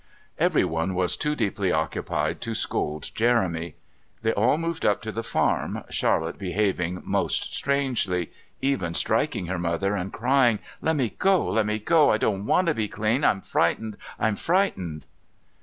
Everyone was too deeply occupied to scold Jeremy. They all moved up to the farm, Charlotte behaving most strangely, even striking her mother and crying: "Let me go! Let me go! I don't want to be clean! I'm frightened! I'm frightened!"